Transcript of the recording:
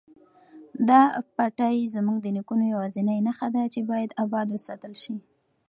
دا پټی زموږ د نیکونو یوازینۍ نښه ده چې باید اباد وساتل شي.